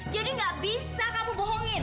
jadi gak bisa kamu bohongin